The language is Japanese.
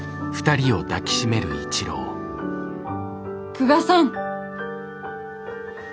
久我さん。